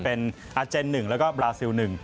เป็นอาเจน๑แล้วก็บราซิล๑